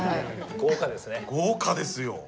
豪華ですよ。